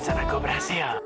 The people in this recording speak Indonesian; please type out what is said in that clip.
insana ko berhasil